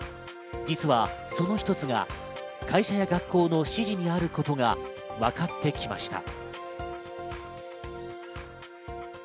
実はその一つが、会社や学校の指示にあることが分かってきました。